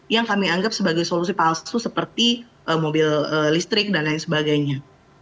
yang kami anggap sebagai solusi palsu seperti mobil listrik dan lain sebagainya